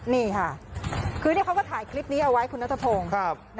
นี่ค่ะคือเขาก็ถ่ายคลิปนี้เอาไว้คุณนัทพงศ์